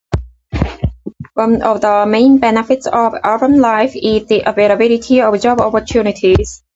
One of the main benefits of urban life is the availability of job opportunities.